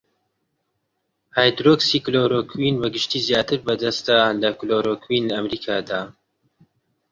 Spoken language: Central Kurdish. هایدرۆکسی کلۆرۆکوین بەگشتی زیاتر بەردەستە لە کلۆرۆکوین لە ئەمەریکادا.